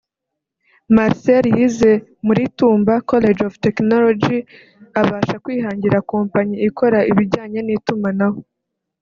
Marcel yize muri Tumba College of Techonology abasha kwihangira kompanyi ikora ibijyanye n’itumanaho